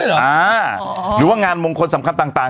หรือว่างานมงคลสำคัญต่าง